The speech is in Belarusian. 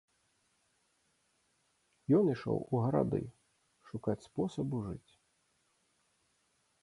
Ён ішоў у гарады шукаць спосабу жыць.